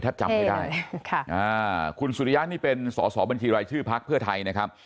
ถ้าจำไม่ได้คุณสุริยะนี่เป็นสอสอบัญชีรายชื่อพักเพื่อไทยนะครับ